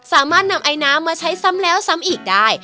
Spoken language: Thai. สามารถนำไอน้ำมาใช้ซ้ำแล้วซ้ำอีกได้